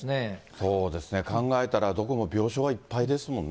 そうですね、考えたらどこも病床はいっぱいですもんね。